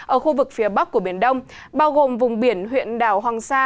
ở khu vực phía bắc của biển đông bao gồm vùng biển huyện đảo hoàng sa